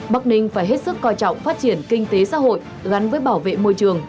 bắc ninh phải hết sức coi trọng phát triển kinh tế xã hội gắn với bảo vệ môi trường